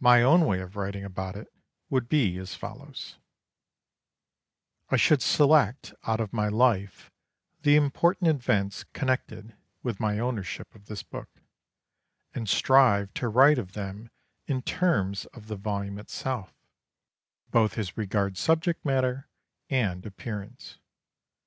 My own way of writing about it would be as follows: I should select out of my life the important events connected with my ownership of this book, and strive to write of them in terms of the volume itself, both as regards subject matter and appearance.